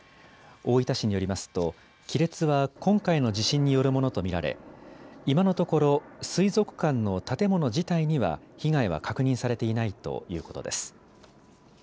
大分市によりますと、亀裂は今回の地震によるものと見られ、今のところ、水族館の建物自体には被害は確認されていないということです。